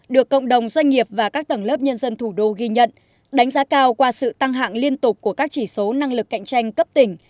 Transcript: được cộng đồng doanh nghiệp và các tầng lớp nhân dân thủ đô ghi nhận đánh giá cao qua sự tăng hạng liên tục của các chỉ số năng lực cạnh tranh cấp tỉnh